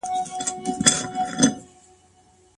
موږ تل درناوی کړی دی.